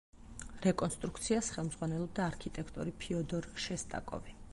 რეკონსტრუქციას ხელმძღვანელობდა არქიტექტორი ფიოდორ შესტაკოვი.